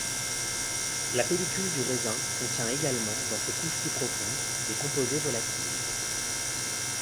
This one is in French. La pellicule du raisin contient également, dans ses couches plus profondes, des composés volatils.